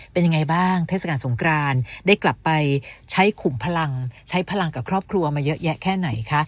เป็นยังไงบ้างเทศกาลสงครานได้กลับไปใช้ขุมพลังใช้พลังกับครอบครัวมาเยอะแยะแค่ไหนคะ